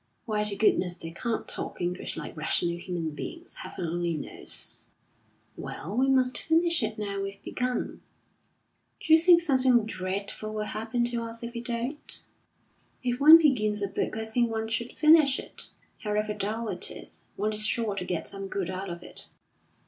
Why the goodness they can't talk English like rational human beings, Heaven only knows!" "Well, we must finish it now we've begun." "D'you think something dreadful will happen to us if we don't?" "If one begins a book I think one should finish it, however dull it is. One is sure to get some good out of it."